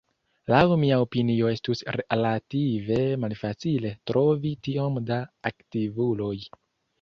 Laŭ mia opinio estus relative malfacile trovi tiom da aktivuloj.